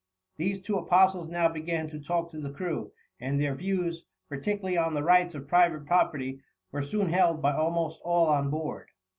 These two apostles now began to talk to the crew, and their views, particularly on the rights of private property, were soon held by almost all on board.